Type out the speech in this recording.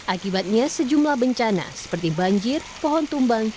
akibatnya sejumlah bencana seperti banjir pohon tumbang